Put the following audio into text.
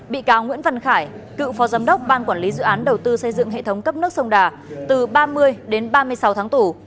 bị cáo nguyễn văn khải cựu phó giám đốc ban quản lý dự án đầu tư xây dựng hệ thống cấp nước sông đà từ ba mươi đến ba mươi sáu tháng tù